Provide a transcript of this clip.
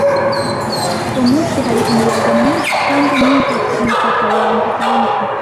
Uwo munsi hari umuyaga mwinshi, kandi numvise umutaka wanjye hanze.